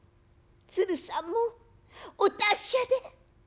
鶴さんもお達者で」。